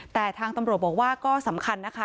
แต่ทางตำรวจบอกว่าก็สำคัญนะคะ